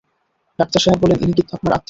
Doctor সাহেব বললেন, ইনি কি আপনার আত্মীয়?